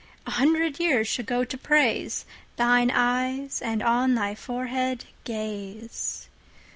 An hundred years should go to praiseThine Eyes, and on thy Forehead Gaze.